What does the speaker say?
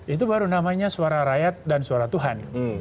itu baru namanya suara rakyat dan suara tuhan